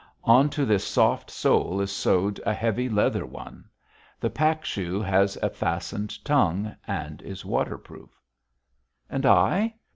On to this soft sole is sewed a heavy leather one. The pack shoe has a fastened tongue and is waterproof. And I?